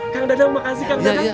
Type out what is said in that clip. kang dadang makasih